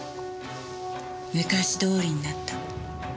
昔どおりになった。